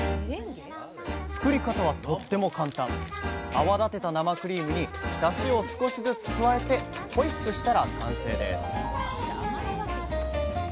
泡立てた生クリームにだしを少しずつ加えてホイップしたら完成です